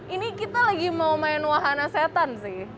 ini kita lagi mau main wahana setan sih